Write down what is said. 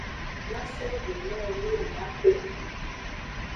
Maso ho nowo ne miaxwle kpi.